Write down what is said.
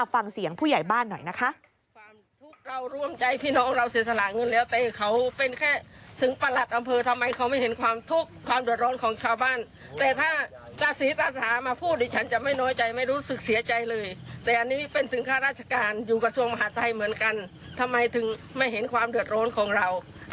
ฟังเสียงผู้ใหญ่บ้านหน่อยนะคะ